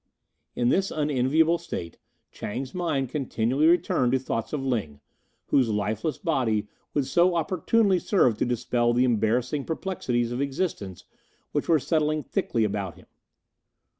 In this unenviable state Chang's mind continually returned to thoughts of Ling, whose lifeless body would so opportunely serve to dispel the embarrassing perplexities of existence which were settling thickly about him.